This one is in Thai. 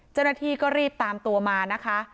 เจ้าหน้าที่ก็รีบตามตัวมานะคะ